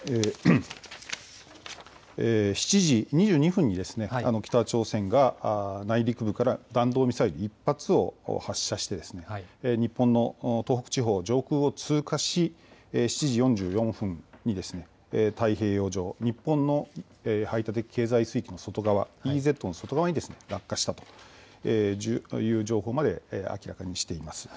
７時２２分に北朝鮮が内陸部から弾道ミサイル１発を発射して日本の東北地方上空を通過し７時４４分に太平洋上、日本の排他的経済水域のＥＥＺの外側に落下したという情報まで明らかにしています。